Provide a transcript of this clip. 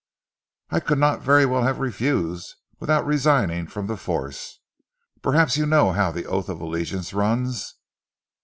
"I could not very well have refused, without resigning from the force. Perhaps you know how the oath of allegiance runs?"